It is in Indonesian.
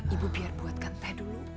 ibu biar buatkan teh dulu